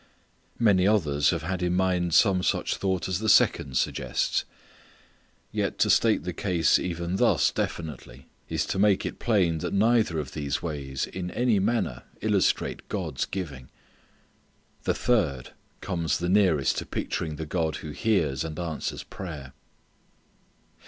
Many others have had in mind some such thought as the second suggests. Yet to state the case even thus definitely is to make it plain that neither of these ways in any manner illustrate God's giving. The third comes the nearest to picturing the God who hears and answers prayer.